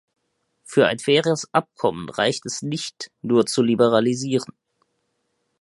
Für ein faires Abkommen reicht es nicht, nur zu liberalisieren.